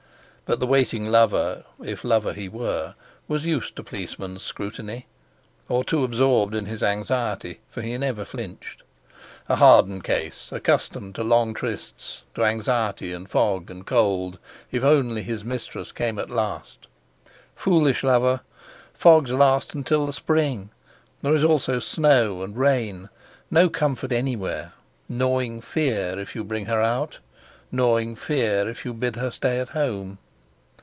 But the waiting lover (if lover he were) was used to policemen's scrutiny, or too absorbed in his anxiety, for he never flinched. A hardened case, accustomed to long trysts, to anxiety, and fog, and cold, if only his mistress came at last. Foolish lover! Fogs last until the spring; there is also snow and rain, no comfort anywhere; gnawing fear if you bring her out, gnawing fear if you bid her stay at home!